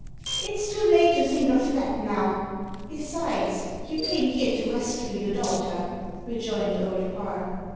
"It's too late to think of that now; besides, you came here to rescue your daughter," rejoined Old Parr.